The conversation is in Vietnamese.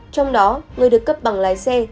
trong đó người được cấp bằng lái xe